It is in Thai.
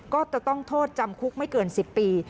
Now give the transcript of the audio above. ก็จะต้องโทษจำคุกไม่เกิน๑๐ปี